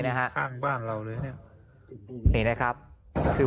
ข้างบ้านเราเลย